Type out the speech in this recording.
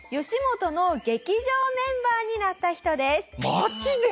マジで！？